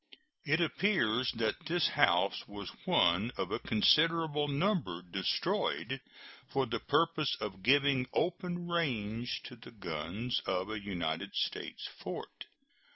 It appears that this house was one of a considerable number destroyed for the purpose of giving open range to the guns of a United States fort.